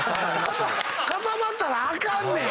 固まったらあかんねん！